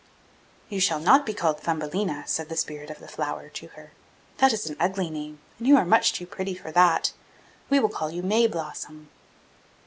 'You shall not be called Thumbelina!' said the spirit of the flower to her; 'that is an ugly name, and you are much too pretty for that. We will call you May Blossom.